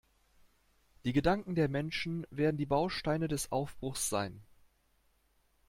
Die Gedanken der Menschen werden die Bausteine des Aufbruchs sein.